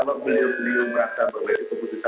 kalau beliau beliau merasa bahwa itu keputusan